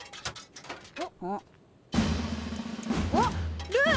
あっルー！